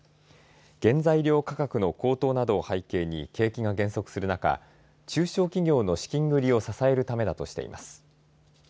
原材料価格の高騰などを背景に景気が減速する中中小企業の資金繰りを支えるためだとしています。